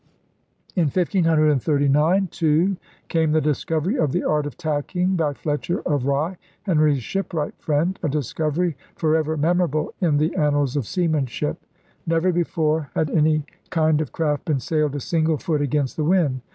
In 1539, too, came the discovery of the art of tacking, by Fletcher of Rye, Henry's shipwright friend, a discovery forever memorable in the an nals of seamanship. Never before had any kind of craft been sailed a single foot against the wind.